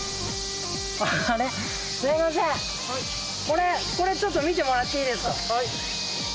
これこれちょっと見てもらっていいですか？